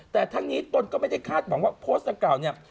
แต่ทั้งนี้ตนก็ไม่ได้คาดหวังว่าโพสต์ดังกล่าวเนี่ย